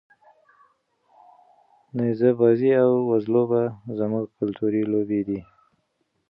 نیزه بازي او وزلوبه زموږ کلتوري لوبې دي.